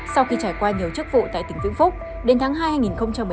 sau khi trải qua nhiều chức vụ tại tỉnh vĩnh phúc đến tháng hai hai nghìn một mươi tám